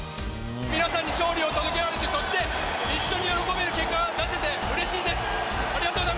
皆さんに勝利を届けられて、そして一緒に喜べる結果が出せてうれしいです。